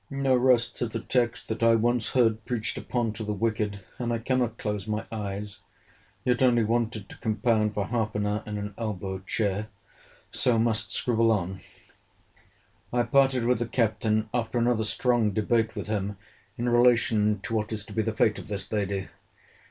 No rest, says a text that I once heard preached upon, to the wicked—and I cannot close my eyes (yet only wanted to compound for half an hour in an elbow chair)—so must scribble on. I parted with the Captain after another strong debate with him in relation to what is to be the fate of this lady.